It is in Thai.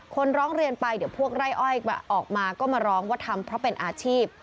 คนร้องเรียนไปเดี๋ยวพวกไร่อ้อยออกมาก็มาร้องว่าทำเพราะเป็นอาชีพ